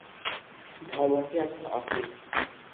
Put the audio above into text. ভবনটি এখন অফিস।